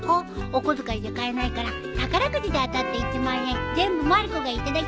お小遣いじゃ買えないから宝くじで当たった１万円全部まる子が頂きましょ。